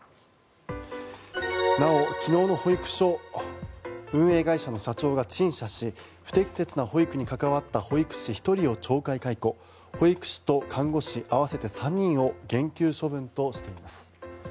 なお、昨日、保育所の運営会社の社長は陳謝し不適切な保育に関わった保育士１人を懲戒解雇保育士と看護師合わせて３人を減給処分としています。